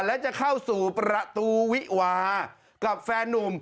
และจะเข้าสู่ประตูวิวากับแฟนนุ่ม